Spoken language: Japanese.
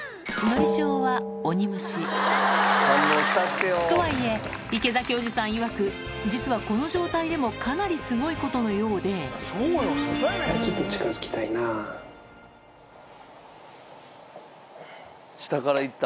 りしおはとはいえ池崎おじさんいわく実はこの状態でもかなりすごいことのようで下から行った。